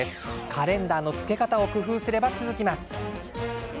カレンダーのつけ方を工夫すれば続きます。